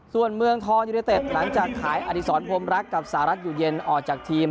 ส่วนเมืองทองยูเนเต็ดหลังจากขายอดีศรพรมรักกับสหรัฐอยู่เย็นออกจากทีม